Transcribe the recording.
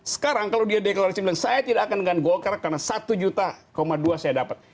sekarang kalau dia deklarasi bilang saya tidak akan dengan golkar karena satu juta dua saya dapat